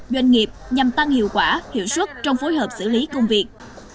doanh nghiệp nhằm tăng hiệu quả hiệu suất trong phối hợp xử lý công việc